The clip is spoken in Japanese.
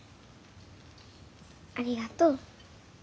ありがとう。